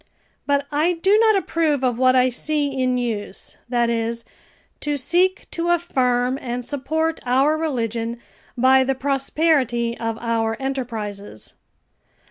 But I do not approve of what I see in use, that is, to seek to affirm and support our religion by the prosperity of our enterprises.